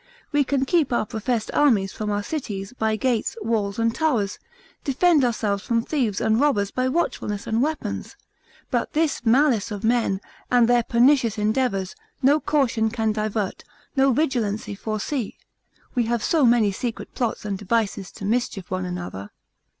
We can keep our professed enemies from our cities, by gates, walls and towers, defend ourselves from thieves and robbers by watchfulness and weapons; but this malice of men, and their pernicious endeavours, no caution can divert, no vigilancy foresee, we have so many secret plots and devices to mischief one another.